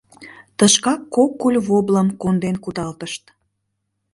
Тышкак кок куль воблым конден кудалтышт.